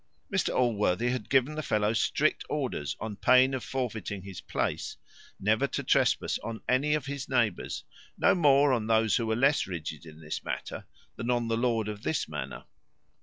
Mr Allworthy had given the fellow strict orders, on pain of forfeiting his place, never to trespass on any of his neighbours; no more on those who were less rigid in this matter than on the lord of this manor.